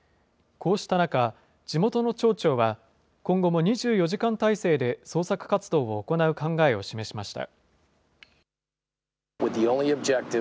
こうした中、地元の町長は今後も２４時間態勢で捜索活動を行う考えを示しました。